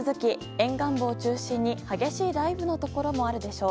沿岸部を中心に雷雨のところもあるでしょう。